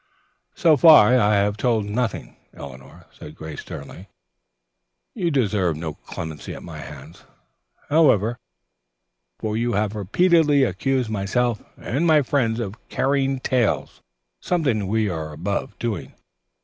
"So far I have told nothing, Eleanor," said Grace sternly. "You deserve no clemency at my hands, however, for you have repeatedly accused myself and my friends of carrying tales. Something we are above doing.